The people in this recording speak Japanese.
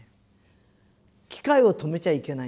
機械を止めちゃいけないんですよ。